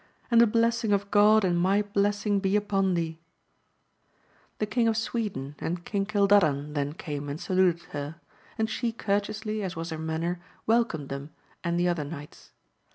and the blessing of God and my blessing be upon thee ! The King of Sweden and King Cildadan then came and saluted her, and she courteously, as was her manner, welcomed them and 256 AMADIS OF GAUL. the other knights.